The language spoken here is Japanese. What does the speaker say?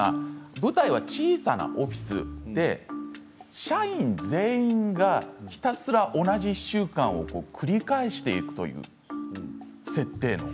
舞台は小さなオフィスで社員全員が同じ１週間を繰り返していくという設定です。